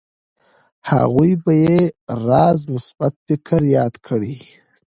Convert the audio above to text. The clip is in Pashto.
هغوی به يې راز مثبت فکر ياد کړي.